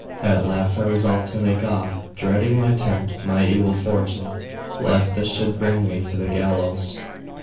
At last I resolved to make off, dreading to tempt my evil fortune, lest this should bring me to the gallows.